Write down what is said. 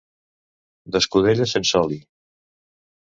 D'escudella sense oli.